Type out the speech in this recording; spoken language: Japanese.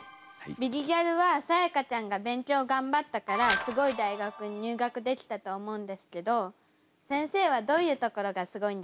「ビリギャル」はさやかちゃんが勉強頑張ったからすごい大学に入学できたと思うんですけど先生はどういうところがすごいんですか？